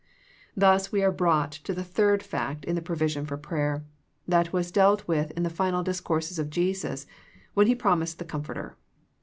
Thus we are brought to the third fact in the provision for prayer, that was dealt with in the final discourses of Jesus when He promised the Comforter.